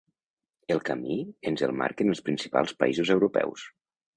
El camí ens el marquen els principals països europeus.